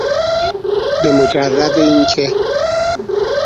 به مجرد اینکه